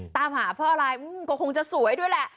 ตามหาเพราะอะไรก็คงจะสวยด้วยแหละ